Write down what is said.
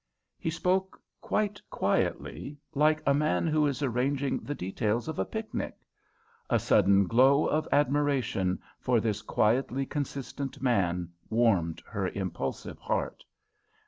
He spoke quite quietly, like a man who is arranging the details of a picnic. A sudden glow of admiration for this quietly consistent man warmed her impulsive heart.